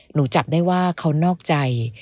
หนูจับได้ว่าเขานอกใจ